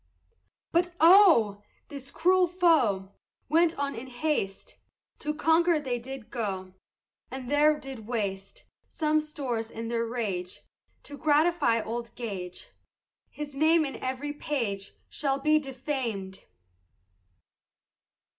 But oh! this cruel foe Went on in haste, To Concord they did go, And there did waste Some stores in their rage, To gratify old Gage, His name in every page Shall be defam'd.